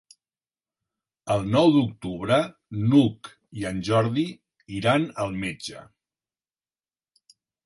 El nou d'octubre n'Hug i en Jordi iran al metge.